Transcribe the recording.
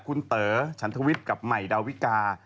คุณเต๋อฉันทวิทย์กับใหม่ดาวิกา